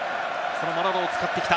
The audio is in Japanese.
マロロを使ってきた。